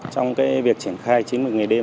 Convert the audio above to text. trong việc triển khai chín một ngày đêm